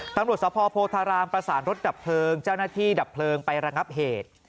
ตำรวจสภโพธารามประสานรถดับเพลิงเจ้าหน้าที่ดับเพลิงไประงับเหตุ